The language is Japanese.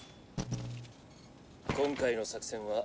今回の作戦は。